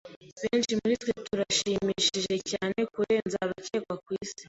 Benshi muritwe turashimishije cyane kurenza abakekwa kwisi.